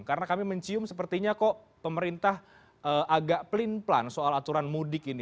karena kami mencium sepertinya kok pemerintah agak pelin pelan soal aturan mudik ini